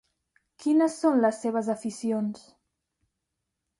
Quines són les seves aficions?